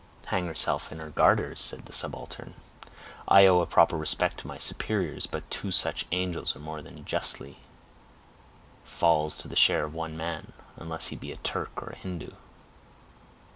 "Hang herself in her garters," said the subaltern. "I owe a proper respect to my superiors, but two such angels are more than justly falls to the share of one man, unless he be a Turk or a Hindoo."